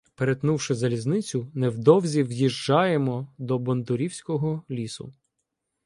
Перетнувши залізницю, невдовзі в'їжджаємо до Бондурівського лісу.